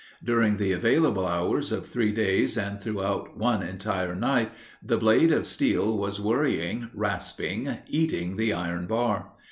During the available hours of three days and throughout one entire night the blade of steel was worrying, rasping, eating the iron bar.